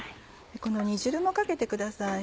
この煮汁もかけてください。